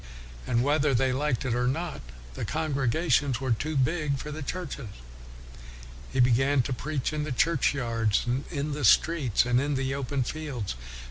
And whether they liked it or not, the congregations were too big for the churches. He began to preach in the churchyards, and in the streets, and in the open fields.